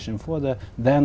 đội quốc gia